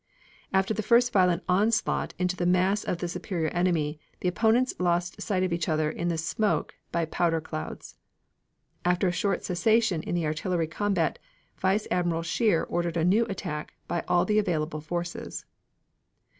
After the first violent onslaught into the mass of the superior enemy the opponents lost sight of each other in the smoke by powder clouds. After a short cessation in the artillery combat Vice Admiral Scheer ordered a new attack by all the available forces.